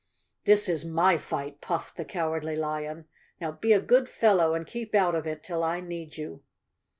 " This is my fight," puffed the Cowardly Lion. " Now be a good fellow and keep out of it till I need you."